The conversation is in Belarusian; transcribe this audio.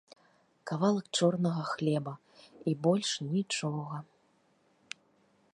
Кавалак чорнага хлеба, і больш нічога.